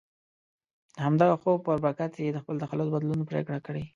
د همدغه خوب په برکت یې د خپل تخلص بدلون پرېکړه کړې.